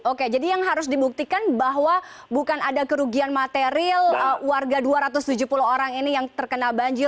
oke jadi yang harus dibuktikan bahwa bukan ada kerugian material warga dua ratus tujuh puluh orang ini yang terkena banjir